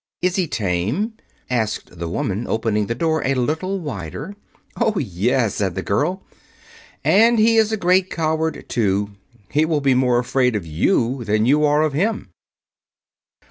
"Is he tame?" asked the woman, opening the door a little wider. "Oh, yes," said the girl, "and he is a great coward, too. He will be more afraid of you than you are of him."